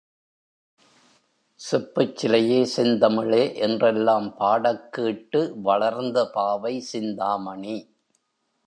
செப்புச் சிலையே, செந்தமிழே! என்றெல்லாம் பாடக்கேட்டு வளர்ந்த பாவை சிந்தாமணி.